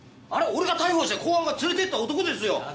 あれ俺が逮捕して公安が連れてった男ですよ。